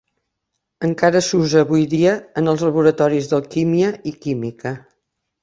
Encara s'usa avui dia en els laboratoris d'alquímia i química.